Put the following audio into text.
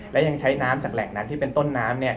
และยังใช้น้ำจากแหล่งนั้นที่เป็นต้นน้ำ